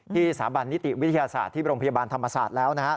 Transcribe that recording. สถาบันนิติวิทยาศาสตร์ที่โรงพยาบาลธรรมศาสตร์แล้ว